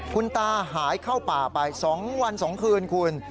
คุณตาหายเข้าป่าไป๒วัน๒คืนคุณ